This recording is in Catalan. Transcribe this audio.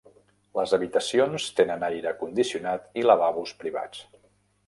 Les habitacions tenen aire condicionat i lavabos privats.